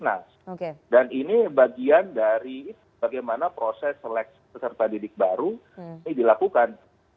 nah dan ini bagian dari bagaimana proses seleksi peserta didik baru ini dilakukan